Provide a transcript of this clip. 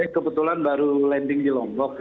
kebetulan baru landing di lombok